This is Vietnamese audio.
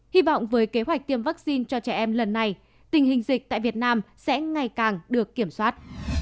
hy vọng với kế hoạch tiêm vaccine cho trẻ em lần này tình hình dịch tại việt nam sẽ ngày càng được kiểm soát